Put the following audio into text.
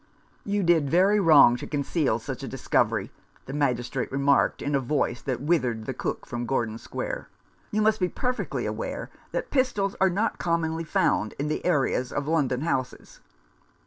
"You did very wrong to conceal such a dis covery," the Magistrate remarked, in a voice that withered the cook from Gordon Square. "You must be perfectly aware that pistols are not commonly found in the areas of London houses."